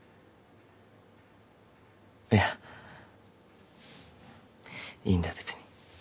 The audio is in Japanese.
いやいいんだ別に。